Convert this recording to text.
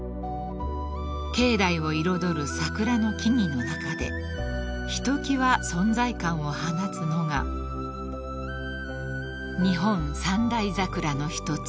［境内を彩る桜の木々の中でひときわ存在感を放つのが日本三大桜の一つ山